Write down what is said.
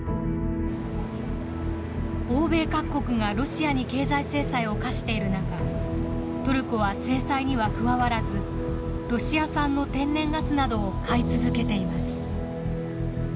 欧米各国がロシアに経済制裁を科している中トルコは制裁には加わらずロシア産の天然ガスなどを買い続けています。